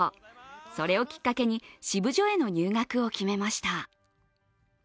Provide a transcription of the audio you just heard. それをきっかけに、シブジョへの入学を決めました。